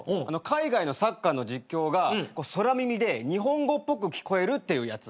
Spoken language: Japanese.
海外のサッカーの実況が空耳で日本語っぽく聞こえるっていうやつ。